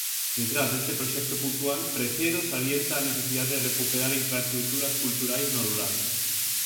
Detrás deste proxecto puntual, Precedo salienta a necesidade de recuperar infraestruturas culturais no rural.